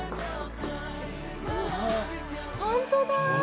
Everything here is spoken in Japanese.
本当だ！